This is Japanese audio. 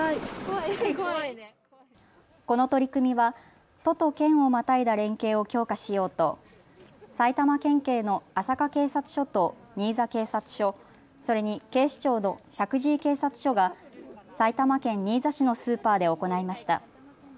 この取り組みは都と県をまたいだ連携を強化しようと埼玉県警の朝霞警察署と新座警察署、それに警視庁の石神井警察署が埼玉県新座市のスーパーで行いました。